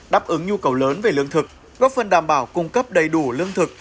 đáp ứng nhu cầu lớn về lương thực góp phần đảm bảo cung cấp đầy đủ lương thực